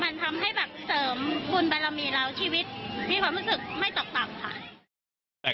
มันทำให้แบบเสริมบุญบารมีเราชีวิตมีความรู้สึกไม่ตกต่ำค่ะ